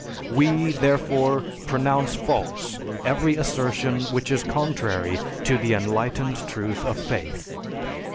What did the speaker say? We, therefore, pronounce false every assertion which is contrary to the enlightened truth of faith....